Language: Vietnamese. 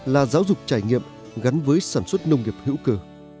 là giáo dục trải nghiệm gắn với sản xuất nông nghiệp hữu cơ